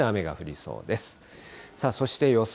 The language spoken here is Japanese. そして予想